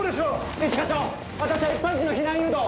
一課長私は一般人の避難誘導を。